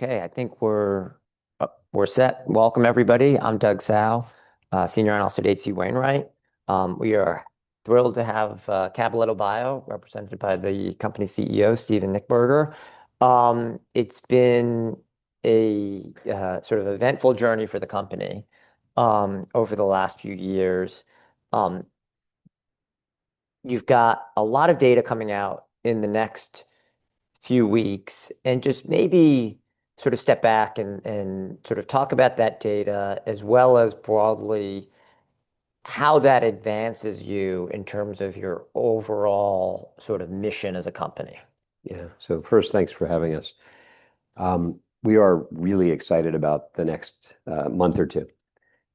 Okay, I think we're set. Welcome, everybody. I'm Doug Tsao, Senior Analyst at H.C. Wainwright. We are thrilled to have Cabaletta Bio represented by the company CEO, Steven Nichtberger. It's been a sort of eventful journey for the company over the last few years. You've got a lot of data coming out in the next few weeks, and just maybe sort of step back and sort of talk about that data, as well as broadly how that advances you in terms of your overall sort of mission as a company. Yeah, so first, thanks for having us. We are really excited about the next month or two.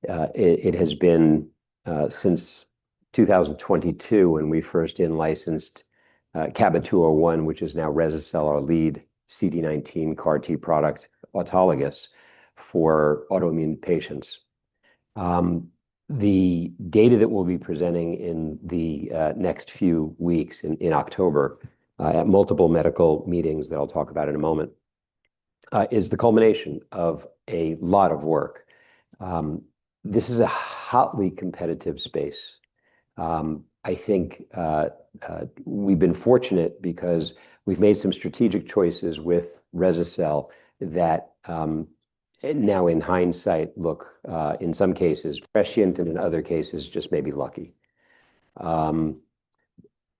It has been since 2022 when we first licensed CABA-201, which is now Rese-cel, our lead CD19 CAR T product autologous for autoimmune patients. The data that we'll be presenting in the next few weeks in October at multiple medical meetings that I'll talk about in a moment is the culmination of a lot of work. This is a hotly competitive space. I think we've been fortunate because we've made some strategic choices with Rese-cel that now, in hindsight, look in some cases prescient and in other cases just maybe lucky.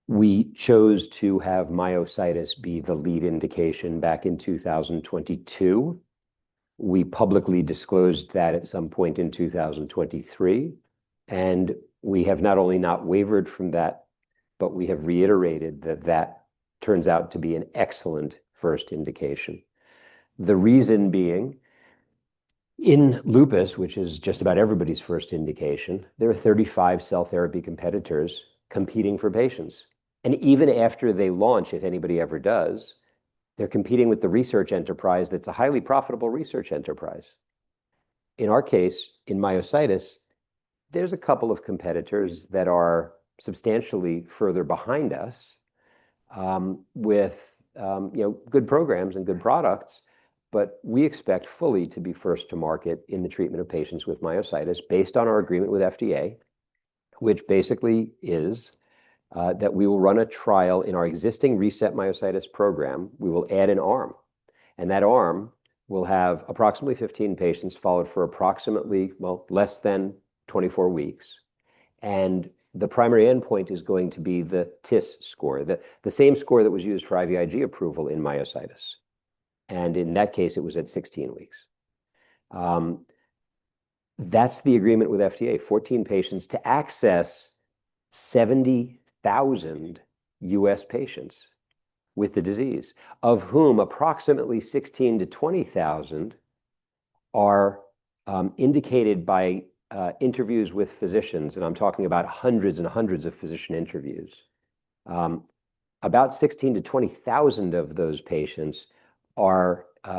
We chose to have myositis be the lead indication back in 2022. We publicly disclosed that at some point in 2023, and we have not only not wavered from that, but we have reiterated that that turns out to be an excellent first indication. The reason being, in lupus, which is just about everybody's first indication, there are 35 cell therapy competitors competing for patients, and even after they launch, if anybody ever does, they're competing with the research enterprise that's a highly profitable research enterprise. In our case, in myositis, there's a couple of competitors that are substantially further behind us with good programs and good products, but we expect fully to be first to market in the treatment of patients with myositis based on our agreement with FDA, which basically is that we will run a trial in our existing RESET-Myositis program. We will add an arm, and that arm will have approximately 15 patients followed for approximately, well, less than 24 weeks. And the primary endpoint is going to be the TIS score, the same score that was used for IVIG approval in myositis. And in that case, it was at 16 weeks. That's the agreement with FDA: 14 patients to access 70,000 U.S. patients with the disease, of whom approximately 16,000-20,000 are indicated by interviews with physicians. And I'm talking about hundreds and hundreds of physician interviews. About 16,000-20,000 of those patients, in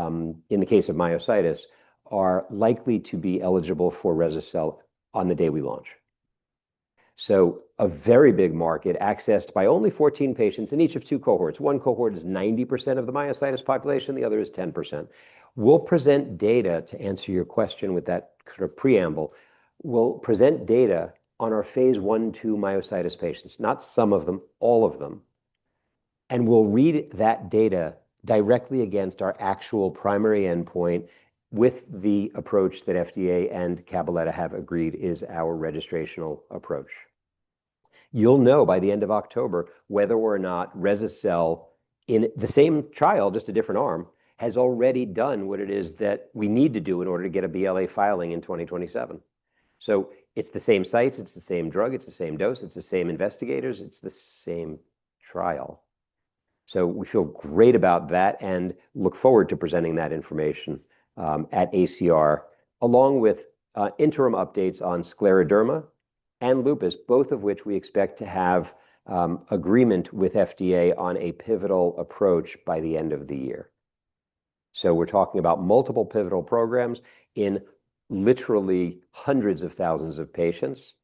the case of myositis, are likely to be eligible for Rese-cel on the day we launch. So a very big market accessed by only 14 patients in each of two cohorts. One cohort is 90% of the myositis population. The other is 10%. We'll present data to answer your question with that sort of preamble. We'll present data on our phase one to myositis patients, not some of them, all of them, and we'll read that data directly against our actual primary endpoint with the approach that FDA and Cabaletta have agreed is our registrational approach. You'll know by the end of October whether or not Rese-cel in the same trial, just a different arm, has already done what it is that we need to do in order to get a BLA filing in 2027. So it's the same sites, it's the same drug, it's the same dose, it's the same investigators, it's the same trial. So we feel great about that and look forward to presenting that information at ACR, along with interim updates on scleroderma and lupus, both of which we expect to have agreement with FDA on a pivotal approach by the end of the year. So we're talking about multiple pivotal programs in literally hundreds of thousands of patients,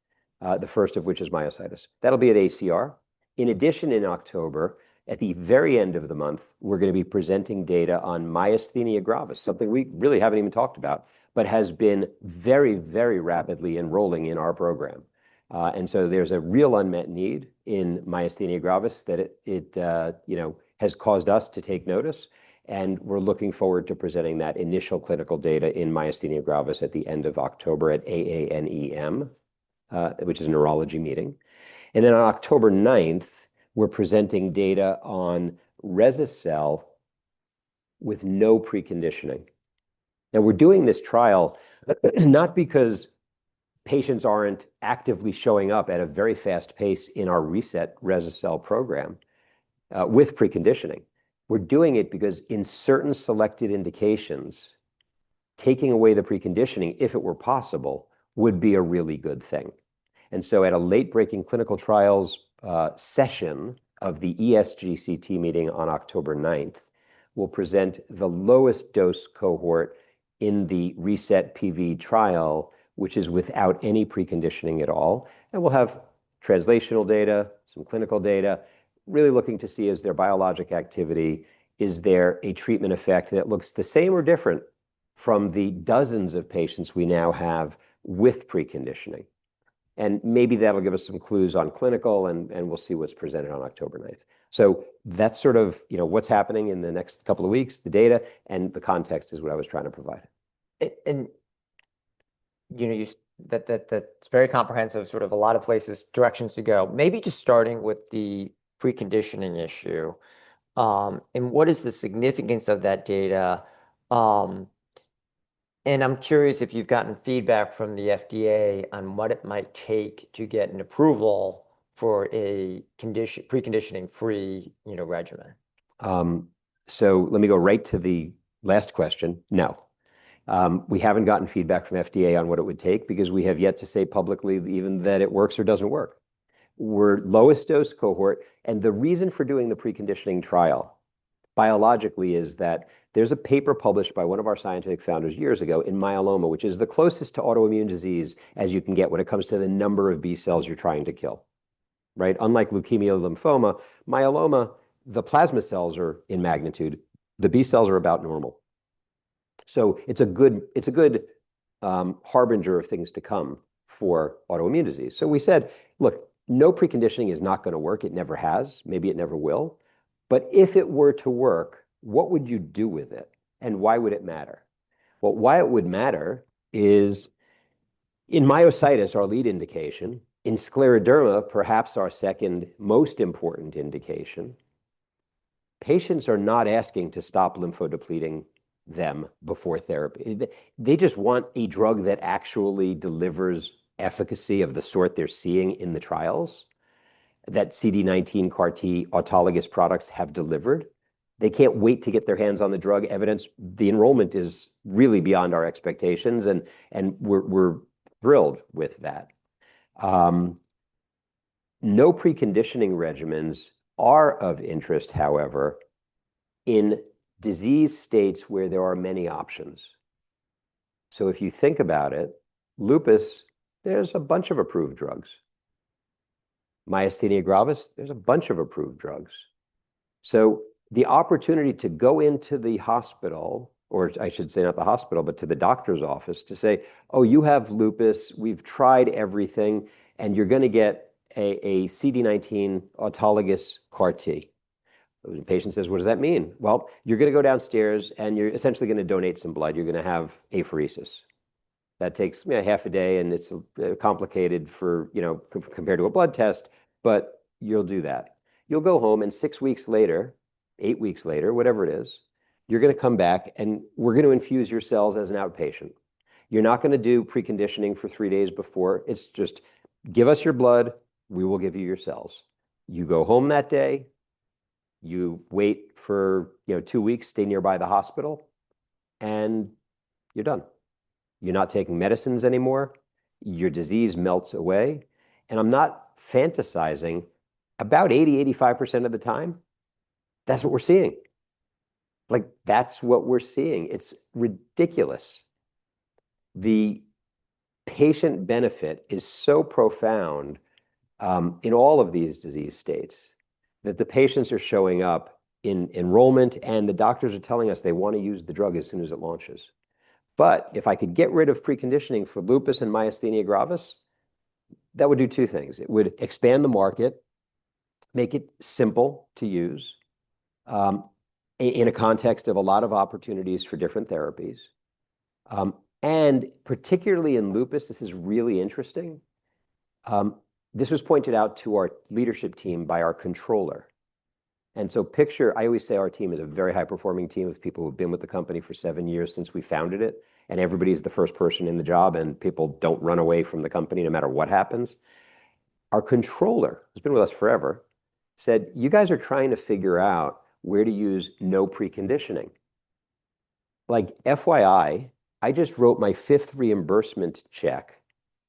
the first of which is myositis. That'll be at ACR. In addition, in October, at the very end of the month, we're going to be presenting data on myasthenia gravis, something we really haven't even talked about, but has been very, very rapidly enrolling in our program. And so there's a real unmet need in myasthenia gravis that it has caused us to take notice. And we're looking forward to presenting that initial clinical data in myasthenia gravis at the end of October at AANEM, which is a neurology meeting. And then on October 9th, we're presenting data on Rese-cel with no preconditioning. Now, we're doing this trial not because patients aren't actively showing up at a very fast pace in our RESET Rese-cel program with preconditioning. We're doing it because in certain selected indications, taking away the preconditioning, if it were possible, would be a really good thing. And so at a late-breaking clinical trials session of the ESGCT meeting on October 9th, we'll present the lowest dose cohort in the RESET-PV trial, which is without any preconditioning at all. And we'll have translational data, some clinical data, really looking to see, is there biologic activity? Is there a treatment effect that looks the same or different from the dozens of patients we now have with preconditioning? And maybe that'll give us some clues on clinical, and we'll see what's presented on October 9th. So that's sort of what's happening in the next couple of weeks, the data, and the context is what I was trying to provide. That's very comprehensive sort of a lot of places, directions to go. Maybe just starting with the preconditioning issue and what is the significance of that data. I'm curious if you've gotten feedback from the FDA on what it might take to get an approval for a preconditioning-free regimen. So let me go right to the last question. No. We haven't gotten feedback from FDA on what it would take because we have yet to say publicly even that it works or doesn't work. We're lowest dose cohort, and the reason for doing the preconditioning trial biologically is that there's a paper published by one of our scientific founders years ago in myeloma, which is the closest to autoimmune disease as you can get when it comes to the number of B cells you're trying to kill. Unlike leukemia or lymphoma, myeloma, the plasma cells are in magnitude. The B cells are about normal. So it's a good harbinger of things to come for autoimmune disease. So we said, look, no preconditioning is not going to work. It never has. Maybe it never will. But if it were to work, what would you do with it? Why would it matter? Why it would matter is in myositis, our lead indication, in scleroderma, perhaps our second most important indication, patients are not asking to stop lymphodepleting them before therapy. They just want a drug that actually delivers efficacy of the sort they're seeing in the trials that CD19 CAR T autologous products have delivered. They can't wait to get their hands on the drug evidence. The enrollment is really beyond our expectations, and we're thrilled with that. No preconditioning regimens are of interest, however, in disease states where there are many options. If you think about it, lupus, there's a bunch of approved drugs. Myasthenia gravis, there's a bunch of approved drugs. The opportunity to go into the hospital, or I should say not the hospital, but to the doctor's office to say, "Oh, you have lupus. We've tried everything, and you're going to get a CD19 autologous CAR T." The patient says, "What does that mean?" Well, you're going to go downstairs, and you're essentially going to donate some blood. You're going to have apheresis. That takes half a day, and it's complicated compared to a blood test, but you'll do that. You'll go home, and six weeks later, eight weeks later, whatever it is, you're going to come back, and we're going to infuse your cells as an outpatient. You're not going to do preconditioning for three days before. It's just, "Give us your blood. We will give you your cells." You go home that day. You wait for two weeks, stay nearby the hospital, and you're done. You're not taking medicines anymore. Your disease melts away. And I'm not fantasizing. About 80%-85% of the time, that's what we're seeing. That's what we're seeing. It's ridiculous. The patient benefit is so profound in all of these disease states that the patients are showing up in enrollment, and the doctors are telling us they want to use the drug as soon as it launches. But if I could get rid of preconditioning for Lupus and Myasthenia Gravis, that would do two things. It would expand the market, make it simple to use in a context of a lot of opportunities for different therapies, and particularly in Lupus, this is really interesting. This was pointed out to our leadership team by our controller, and so picture, I always say our team is a very high-performing team of people who have been with the company for seven years since we founded it, and everybody is the first person in the job, and people don't run away from the company no matter what happens. Our controller, who's been with us forever, said, "You guys are trying to figure out where to use no preconditioning." FYI, I just wrote my fifth reimbursement check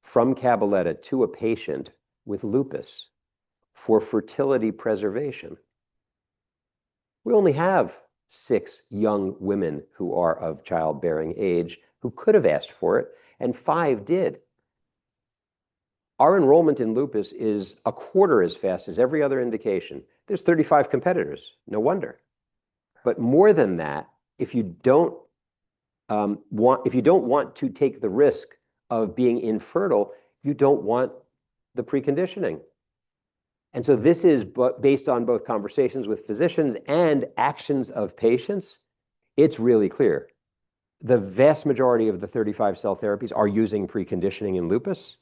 from Cabaletta to a patient with lupus for fertility preservation. We only have six young women who are of childbearing age who could have asked for it, and five did. Our enrollment in lupus is a quarter as fast as every other indication. There's 35 competitors. No wonder. But more than that, if you don't want to take the risk of being infertile, you don't want the preconditioning. And so this is based on both conversations with physicians and actions of patients. It's really clear. The vast majority of the 35 cell therapies are using preconditioning in lupus.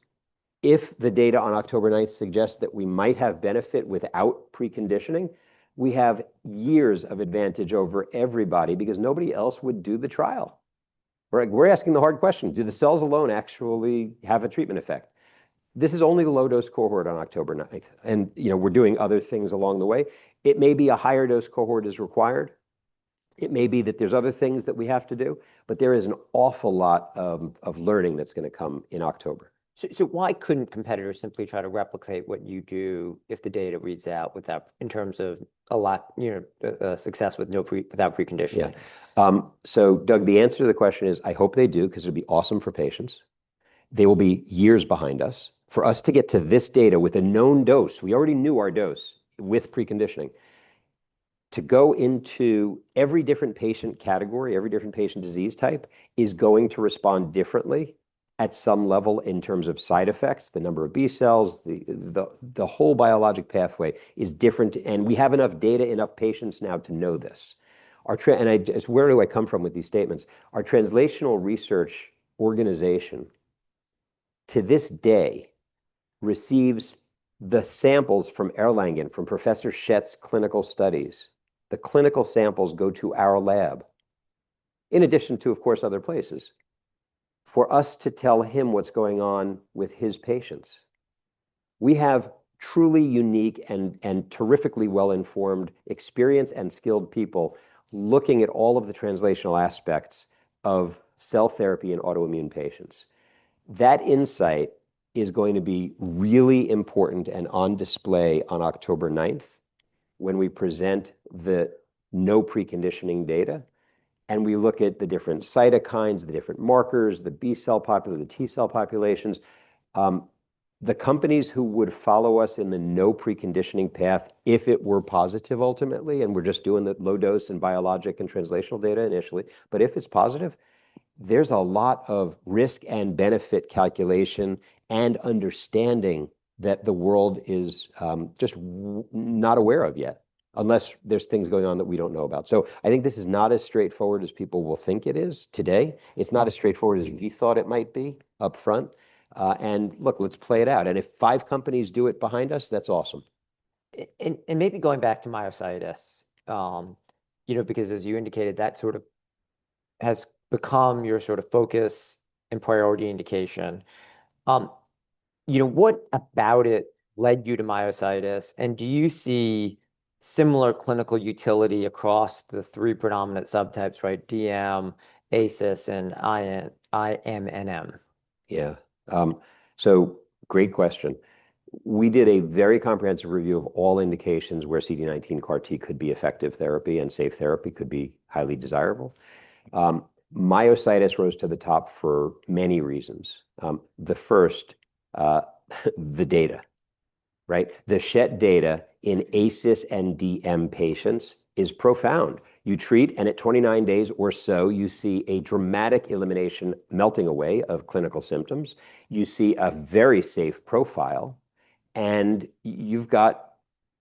If the data on October 9th suggests that we might have benefit without preconditioning, we have years of advantage over everybody because nobody else would do the trial. We're asking the hard question. Do the cells alone actually have a treatment effect? This is only the low-dose cohort on October 9th, and we're doing other things along the way. It may be a higher dose cohort is required. It may be that there's other things that we have to do, but there is an awful lot of learning that's going to come in October. So why couldn't competitors simply try to replicate what you do if the data reads out in terms of success without preconditioning? Yeah. So Doug, the answer to the question is I hope they do because it'll be awesome for patients. They will be years behind us. For us to get to this data with a known dose, we already knew our dose with preconditioning, to go into every different patient category, every different patient disease type is going to respond differently at some level in terms of side effects, the number of B cells. The whole biologic pathway is different, and we have enough data, enough patients now to know this. And where do I come from with these statements? Our translational research organization to this day receives the samples from Erlangen, from Professor Schett's clinical studies. The clinical samples go to our lab, in addition to, of course, other places, for us to tell him what's going on with his patients. We have truly unique and terrifically well-informed, experienced, and skilled people looking at all of the translational aspects of cell therapy in autoimmune patients. That insight is going to be really important and on display on October 9th when we present the no preconditioning data, and we look at the different cytokines, the different markers, the B cell population, the T cell populations. The companies who would follow us in the no preconditioning path if it were positive ultimately, and we're just doing the low dose and biologic and translational data initially, but if it's positive, there's a lot of risk and benefit calculation and understanding that the world is just not aware of yet unless there's things going on that we don't know about. So I think this is not as straightforward as people will think it is today. It's not as straightforward as we thought it might be upfront. And look, let's play it out. And if five companies do it behind us, that's awesome. And maybe going back to myositis, because as you indicated, that sort of has become your sort of focus and priority indication. What about it led you to myositis, and do you see similar clinical utility across the three predominant subtypes, DM, ASyS, and IMNM? Yeah. So great question. We did a very comprehensive review of all indications where CD19 CAR T could be effective therapy and safe therapy could be highly desirable. Myositis rose to the top for many reasons. The first, the data. The Schett data in ASyS and DM patients is profound. You treat, and at 29 days or so, you see a dramatic elimination, melting away of clinical symptoms. You see a very safe profile, and you've got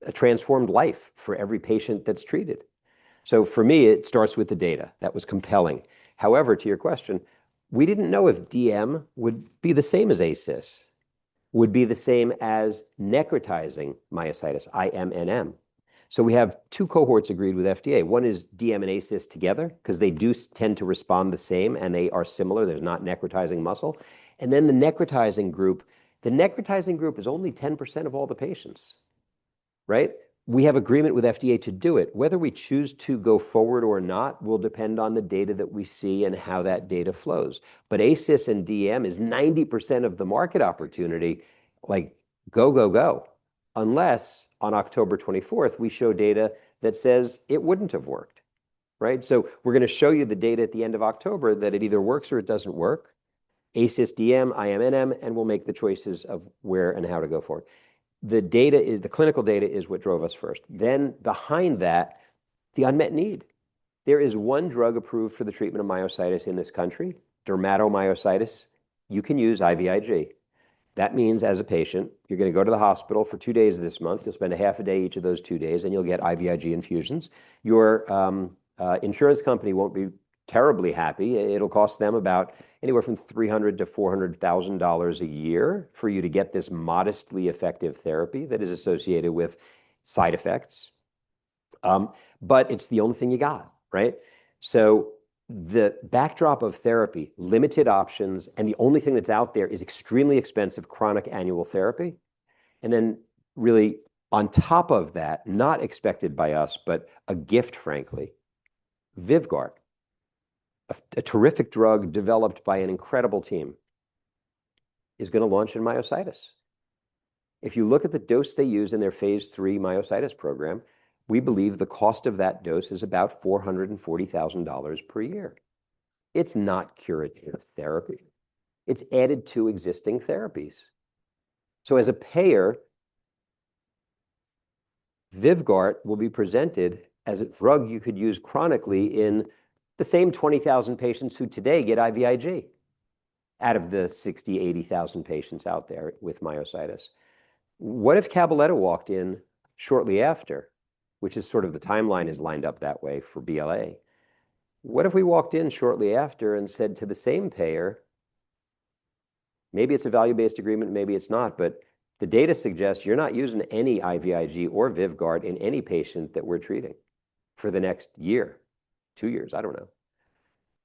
a transformed life for every patient that's treated. So for me, it starts with the data. That was compelling. However, to your question, we didn't know if DM would be the same as ASyS, would be the same as necrotizing myositis, IMNM. So we have two cohorts agreed with FDA. One is DM and ASyS together because they do tend to respond the same, and they are similar. They're not necrotizing muscle. And then the necrotizing group, the necrotizing group is only 10% of all the patients. We have agreement with FDA to do it. Whether we choose to go forward or not will depend on the data that we see and how that data flows. But ASyS and DM is 90% of the market opportunity. Go, go, go, unless on October 24th, we show data that says it wouldn't have worked. So we're going to show you the data at the end of October that it either works or it doesn't work. ASyS, DM, IMNM, and we'll make the choices of where and how to go forward. The clinical data is what drove us first. Then behind that, the unmet need. There is one drug approved for the treatment of myositis in this country, dermatomyositis. You can use IVIG. That means as a patient, you're going to go to the hospital for two days this month. You'll spend a half a day each of those two days, and you'll get IVIG infusions. Your insurance company won't be terribly happy. It'll cost them about anywhere from $300,000-$400,000 a year for you to get this modestly effective therapy that is associated with side effects. But it's the only thing you got. So the backdrop of therapy, limited options, and the only thing that's out there is extremely expensive chronic annual therapy. And then really on top of that, not expected by us, but a gift, frankly, Vyvgart, a terrific drug developed by an incredible team, is going to launch in myositis. If you look at the dose they use in their phase three myositis program, we believe the cost of that dose is about $440,000 per year. It's not curative therapy. It's added to existing therapies. So as a payer, Vyvgart will be presented as a drug you could use chronically in the same 20,000 patients who today get IVIG out of the 60,000, 80,000 patients out there with myositis. What if Cabaletta walked in shortly after, which is sort of the timeline is lined up that way for BLA? What if we walked in shortly after and said to the same payer, "Maybe it's a value-based agreement. Maybe it's not, but the data suggests you're not using any IVIG or Vyvgart in any patient that we're treating for the next year, two years, I don't know."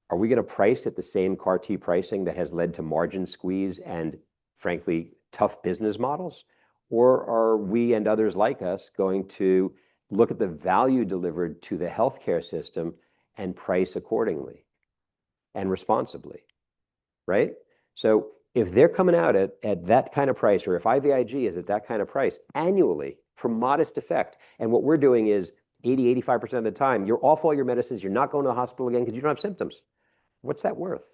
Are we going to price at the same CAR T pricing that has led to margin squeeze and, frankly, tough business models? Or are we and others like us going to look at the value delivered to the healthcare system and price accordingly and responsibly? So if they're coming out at that kind of price, or if IVIG is at that kind of price annually for modest effect, and what we're doing is 80%, 85% of the time, you're off all your medicines. You're not going to the hospital again because you don't have symptoms. What's that worth?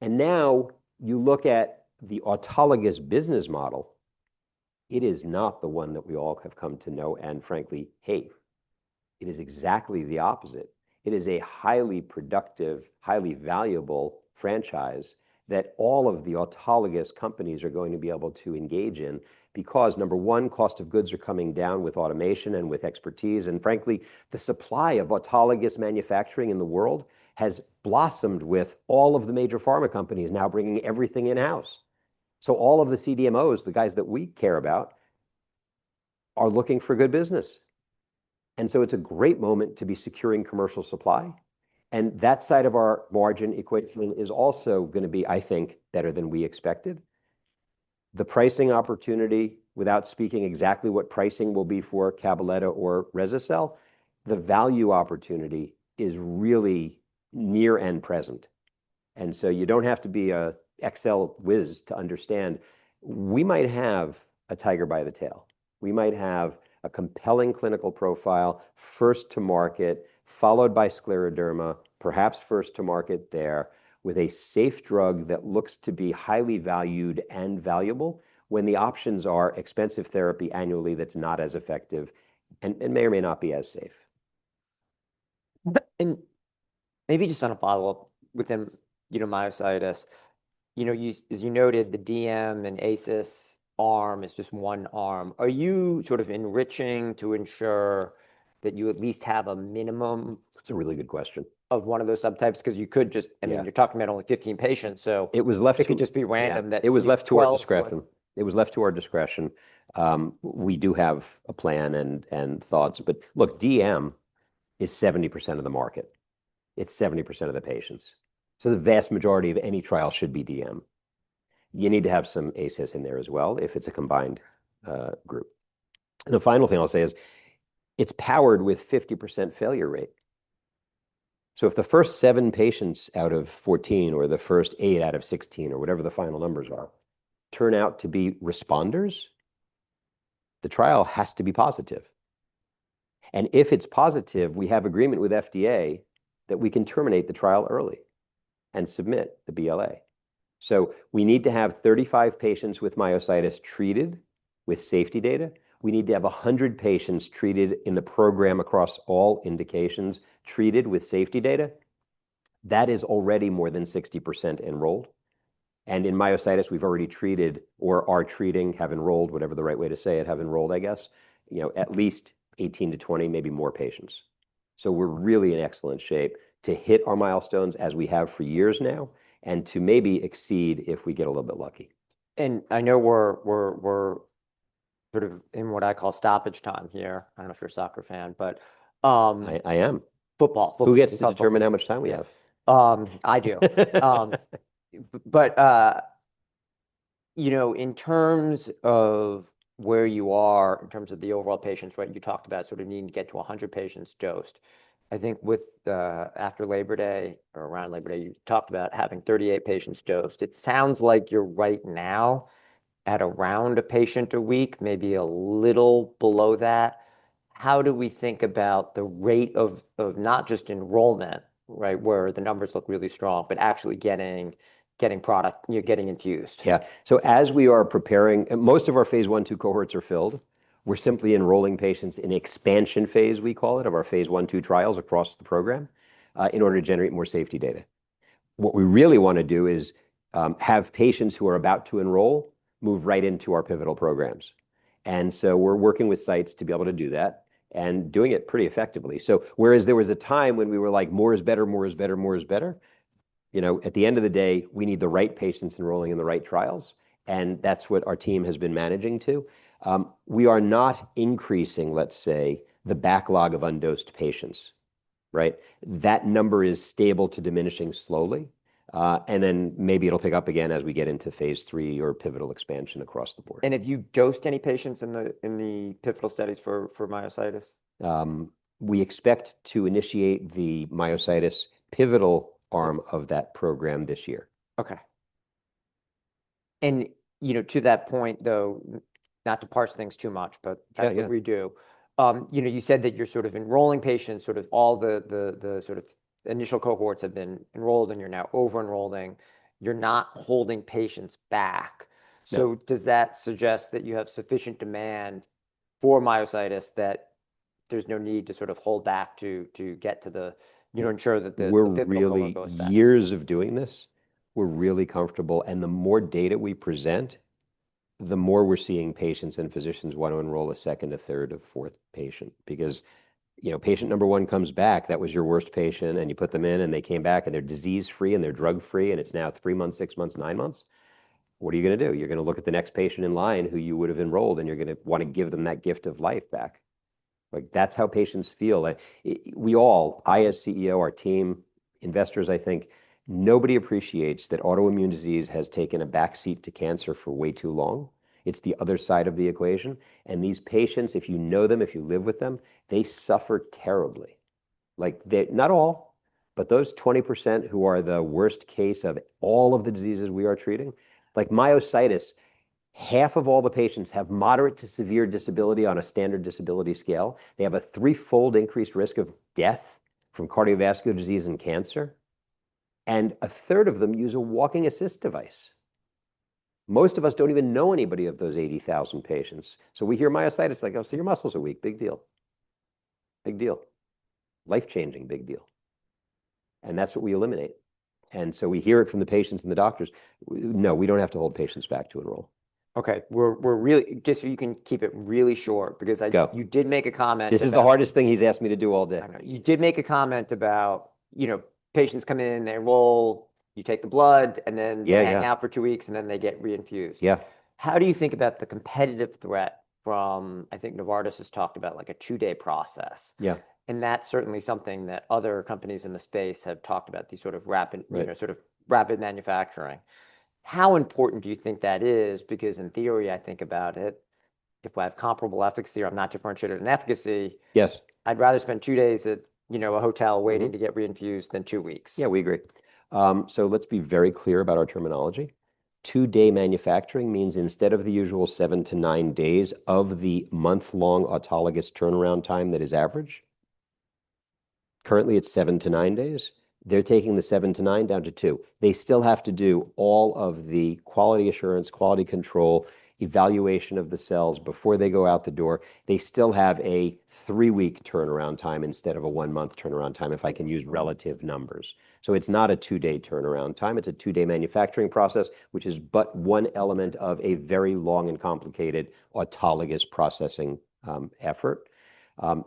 And now you look at the autologous business model. It is not the one that we all have come to know. And frankly, hey, it is exactly the opposite. It is a highly productive, highly valuable franchise that all of the autologous companies are going to be able to engage in because, number one, cost of goods are coming down with automation and with expertise. And frankly, the supply of autologous manufacturing in the world has blossomed with all of the major pharma companies now bringing everything in-house. So all of the CDMOs, the guys that we care about, are looking for good business. And so it's a great moment to be securing commercial supply. And that side of our margin equation is also going to be, I think, better than we expected. The pricing opportunity, without speaking exactly what pricing will be for Cabaletta or Rese-cel, the value opportunity is really near and present. And so you don't have to be an Excel whiz to understand. We might have a tiger by the tail. We might have a compelling clinical profile, first to market, followed by scleroderma, perhaps first to market there with a safe drug that looks to be highly valued and valuable when the options are expensive therapy annually that's not as effective and may or may not be as safe. Maybe just on a follow-up with myositis, as you noted, the DM and ASyS arm is just one arm. Are you sort of enriching to ensure that you at least have a minimum? That's a really good question. Of one of those subtypes? Because you could just, I mean, you're talking about only 15 patients, so it could just be random that. It was left to our discretion. We do have a plan and thoughts. But look, DM is 70% of the market. It's 70% of the patients. So the vast majority of any trial should be DM. You need to have some ASyS in there as well if it's a combined group. And the final thing I'll say is it's powered with 50% failure rate. So if the first seven patients out of 14 or the first eight out of 16 or whatever the final numbers are turn out to be responders, the trial has to be positive. And if it's positive, we have agreement with FDA that we can terminate the trial early and submit the BLA. So we need to have 35 patients with myositis treated with safety data. We need to have 100 patients treated in the program across all indications treated with safety data. That is already more than 60% enrolled, and in myositis, we've already treated or are treating, have enrolled, whatever the right way to say it, have enrolled, I guess, at least 18-20, maybe more patients, so we're really in excellent shape to hit our milestones as we have for years now and to maybe exceed if we get a little bit lucky. And I know we're sort of in what I call stoppage time here. I don't know if you're a soccer fan, but. I am. Football. Football. Who gets to determine how much time we have? I do. But in terms of where you are, in terms of the overall patients, you talked about sort of needing to get to 100 patients dosed. I think after Labor Day or around Labor Day, you talked about having 38 patients dosed. It sounds like you're right now at around a patient a week, maybe a little below that. How do we think about the rate of not just enrollment, where the numbers look really strong, but actually getting product, getting infused? Yeah, so as we are preparing, most of our phase one, two cohorts are filled. We're simply enrolling patients in expansion phase, we call it, of our phase one, two trials across the program in order to generate more safety data. What we really want to do is have patients who are about to enroll move right into our pivotal programs, and so we're working with sites to be able to do that and doing it pretty effectively, so whereas there was a time when we were like, "More is better, more is better, more is better," at the end of the day, we need the right patients enrolling in the right trials, and that's what our team has been managing to. We are not increasing, let's say, the backlog of undosed patients. That number is stable to diminishing slowly. Then maybe it'll pick up again as we get into phase three or pivotal expansion across the board. Have you dosed any patients in the pivotal studies for myositis? We expect to initiate the myositis pivotal arm of that program this year. Okay. And to that point, though, not to parse things too much, but that's what we do. You said that you're sort of enrolling patients. All the initial cohorts have been enrolled, and you're now over-enrolling. You're not holding patients back. So does that suggest that you have sufficient demand for myositis that there's no need to sort of hold back to get to the, you know, ensure that the pivotal arm goes back? We've had years of doing this. We're really comfortable, and the more data we present, the more we're seeing patients and physicians want to enroll a second, a third, a fourth patient. Because patient number one comes back, that was your worst patient, and you put them in, and they came back, and they're disease-free and they're drug-free, and it's now three months, six months, nine months. What are you going to do? You're going to look at the next patient in line who you would have enrolled, and you're going to want to give them that gift of life back. That's how patients feel. We all, I as CEO, our team, investors, I think, nobody appreciates that autoimmune disease has taken a backseat to cancer for way too long. It's the other side of the equation. These patients, if you know them, if you live with them, they suffer terribly. Not all, but those 20% who are the worst case of all of the diseases we are treating. Myositis, half of all the patients have moderate to severe disability on a standard disability scale. They have a threefold increased risk of death from cardiovascular disease and cancer. A third of them use a walking assist device. Most of us don't even know anybody of those 80,000 patients. We hear myositis like, "Oh, so your muscles are weak. Big deal. Big deal. Life-changing big deal." That's what we eliminate. We hear it from the patients and the doctors. No, we don't have to hold patients back to enroll. Okay. Just so you can keep it really short, because you did make a comment. This is the hardest thing he's asked me to do all day. You did make a comment about patients come in, they enroll, you take the blood, and then hang out for two weeks, and then they get reinfused. Yeah. How do you think about the competitive threat from, I think, Novartis has talked about like a two-day process? Yeah. And that's certainly something that other companies in the space have talked about, these sort of rapid manufacturing. How important do you think that is? Because in theory, I think about it, if I have comparable efficacy or I'm not differentiated in efficacy, I'd rather spend two days at a hotel waiting to get reinfused than two weeks. Yeah, we agree. So let's be very clear about our terminology. Two-day manufacturing means instead of the usual seven to nine days of the month-long autologous turnaround time that is average, currently it's seven to nine days. They're taking the seven to nine down to two. They still have to do all of the quality assurance, quality control, evaluation of the cells before they go out the door. They still have a three-week turnaround time instead of a one-month turnaround time, if I can use relative numbers. So it's not a two-day turnaround time. It's a two-day manufacturing process, which is but one element of a very long and complicated autologous processing effort.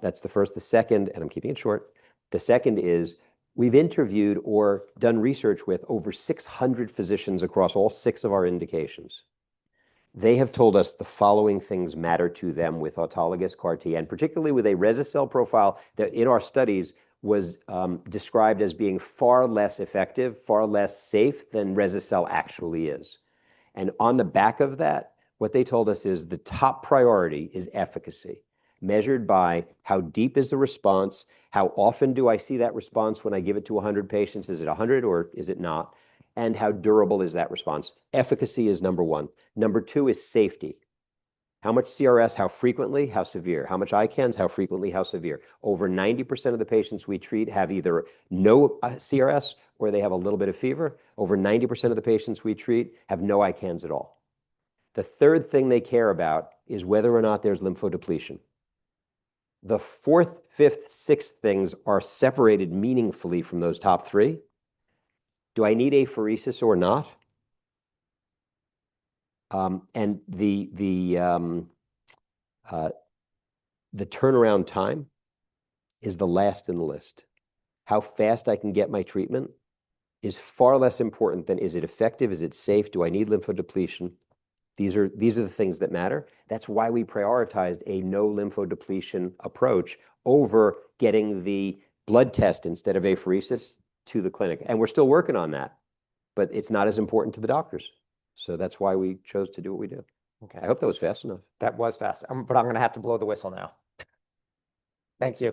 That's the first. The second, and I'm keeping it short, the second is we've interviewed or done research with over 600 physicians across all six of our indications. They have told us the following things matter to them with autologous CAR T, and particularly with a Rese-cel profile that in our studies was described as being far less effective, far less safe than Rese-cel actually is. On the back of that, what they told us is the top priority is efficacy, measured by how deep is the response, how often do I see that response when I give it to 100 patients, is it 100 or is it not, and how durable is that response. Efficacy is number one. Number two is safety. How much CRS, how frequently, how severe. How much ICANS, how frequently, how severe. Over 90% of the patients we treat have either no CRS or they have a little bit of fever. Over 90% of the patients we treat have no ICANS at all. The third thing they care about is whether or not there's lymphodepletion. The fourth, fifth, sixth things are separated meaningfully from those top three. Do I need apheresis or not? And the turnaround time is the last in the list. How fast I can get my treatment is far less important than is it effective, is it safe, do I need lymphodepletion. These are the things that matter. That's why we prioritized a no lymphodepletion approach over getting the blood test instead of apheresis to the clinic. And we're still working on that, but it's not as important to the doctors. So that's why we chose to do what we do. I hope that was fast enough. That was fast, but I'm going to have to blow the whistle now. Thank you.